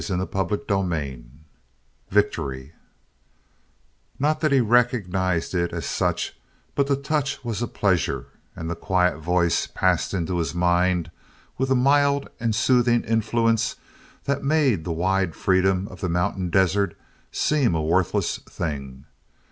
CHAPTER XVIII VICTORY Not that he recognized it as such but the touch was a pleasure and the quiet voice passed into his mind with a mild and soothing influence that made the wide freedom of the mountain desert seem a worthless thing.